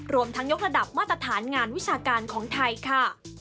รวมทั้งยกระดับมาตรฐานงานวิชาการของไทยค่ะ